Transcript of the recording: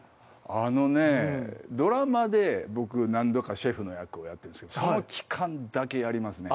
あのねドラマで僕何度かシェフの役をやってるんですけどその期間だけやりますね